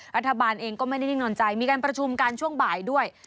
รัฐบาลเองก็ไม่ได้นิ่งนอนใจมีการประชุมกันช่วงบ่ายด้วย